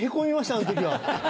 あの時は。